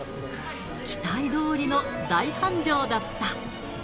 期待どおりの大繁盛だった。